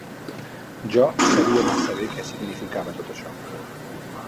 Jo sabia massa bé què significava tot això.